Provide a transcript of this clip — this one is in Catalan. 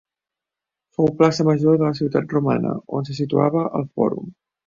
Fou plaça major de la ciutat romana, on se situava el fòrum.